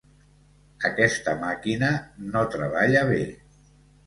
Aquesta màquina no treballa bé.